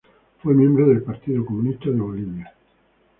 Fue miembro del Partido Comunista de Bolivia.